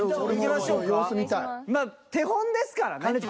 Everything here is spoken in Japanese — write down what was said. まあ手本ですからね。